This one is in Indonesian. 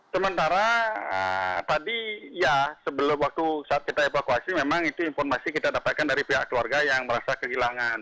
sementara tadi ya sebelum waktu saat kita evakuasi memang itu informasi kita dapatkan dari pihak keluarga yang merasa kehilangan